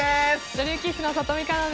女流棋士の里見香奈です！